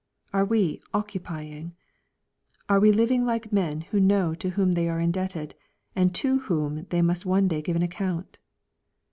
Are we " occupying ?" Are we living like men who know to whom they are indebted, and to whom they must ono day give account